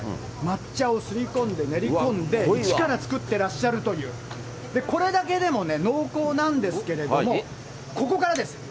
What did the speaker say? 朝からご主人がね、抹茶をすり込んで練り込んで一から作ってらっしゃるソフトクリーム、これだけでもね、濃厚なんですけれども、ここからです。